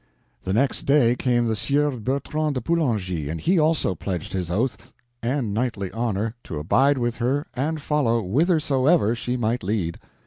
The next day came the Sieur Bertrand de Poulengy, and he also pledged his oath and knightly honor to abide with her and follow her witherosever she might lead.